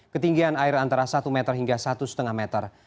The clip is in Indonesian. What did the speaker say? ketinggian air antara satu meter hingga satu lima meter